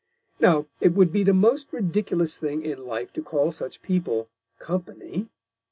Now, it would be the most ridiculous Thing in Life to call such People Company.